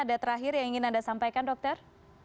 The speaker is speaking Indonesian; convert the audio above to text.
ada terakhir yang ingin anda sampaikan dokter